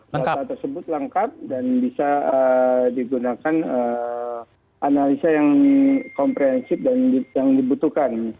data tersebut lengkap dan bisa digunakan analisa yang komprehensif dan yang dibutuhkan